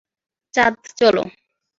চাঁদ, চলো।